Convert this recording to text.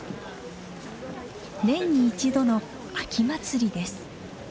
年に１度の秋祭りです。